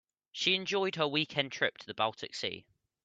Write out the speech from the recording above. She enjoyed her weekend trip to the Baltic sea.